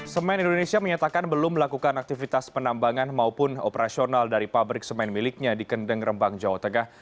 semen indonesia menyatakan belum melakukan aktivitas penambangan maupun operasional dari pabrik semen miliknya di kendeng rembang jawa tengah